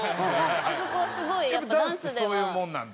あそこすごいやっぱダンスでは。